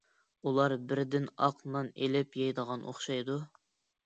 ئۇلار بىردىن ئاق نان ئېلىپ يەيدىغان ئوخشايدۇ.